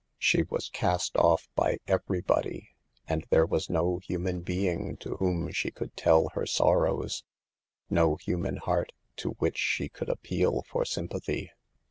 She was cast off by every body, and there was no human being to whom she could tell her sor rows, no human heart to which she could ap peal for sympathy.